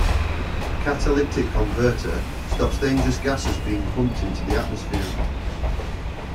A catalytic converter stops dangerous gases being pumped into the atmosphere.